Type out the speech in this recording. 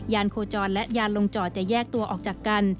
โคจรและยานลงจอดจะแยกตัวออกจากกัน